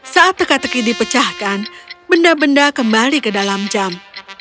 saat teka teki dipecahkan benda benda kembali ke dalam jam